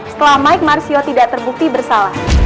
setelah mike marsio tidak terbukti bersalah